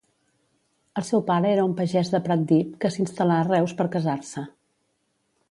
El seu pare era un pagès de Pratdip que s'instal·là a Reus per casar-se.